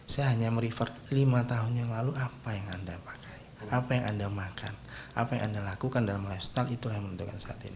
saya hanya merefer lima tahun yang lalu apa yang anda pakai apa yang anda makan apa yang anda lakukan dalam lifestyle itulah yang menentukan saat ini